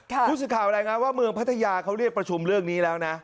คุณผู้ชมข่าวอะไรนะว่าเมืองพัทยาเขาเรียกประชุมเรื่องนี้แล้วนะ